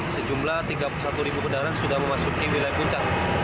sejumlah tiga puluh satu ribu kendaraan sudah memasuki wilayah puncak